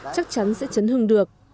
chắc chắn sẽ chấn hương được